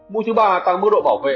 mũi thứ ba tăng mức độ bảo vệ